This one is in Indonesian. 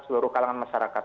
seluruh kalangan masyarakat